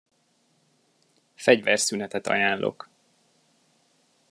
Fegyverszünetet ajánlok.